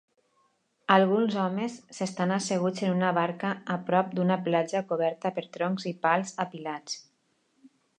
Alguns homes s'estan asseguts en una barca a prop d'una platja coberta per troncs i pals apilats.